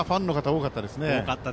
多かったですね。